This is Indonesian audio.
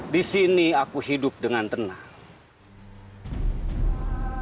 di sini aku hidup dengan tenang